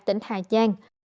tỉnh hà giang